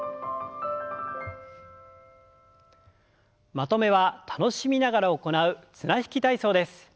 まとめは楽しみながら行う綱引き体操です。